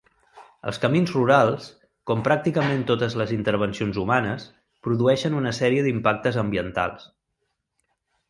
Els camins rurals, com pràcticament totes les intervencions humanes, produeixen una sèrie d'impactes ambientals.